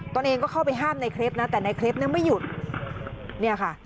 ตัวเองก็เข้าไปห้ามในคลิปนะแต่ในคลิปเนี่ยไม่หยุดเนี่ยค่ะ